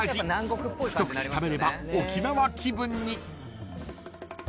［一口食べれば沖縄気分に］